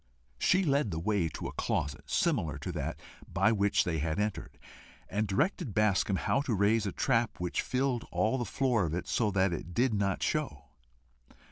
She led the way to a closet similar to that by which they had entered, and directed Bascombe how to raise a trap which filled all the floor of it so that it did not show.